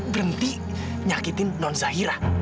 berhenti menyakiti nonsahira